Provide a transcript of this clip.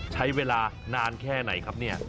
ใช้เวลานานแค่ไหนครับเนี่ย